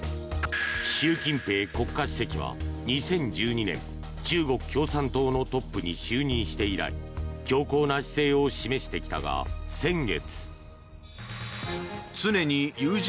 習近平国家主席は２０１２年中国共産党のトップに就任して以来強硬な姿勢を示してきたが先月。